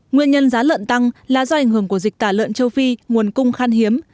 nguyên nhân giá lợn tăng là do ảnh hưởng của dịch tả lợn châu phi nguồn cung khan hiếm